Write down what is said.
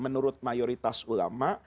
menurut mayoritas ulama